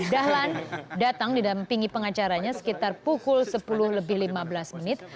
dahlan datang didampingi pengacaranya sekitar pukul sepuluh lebih lima belas menit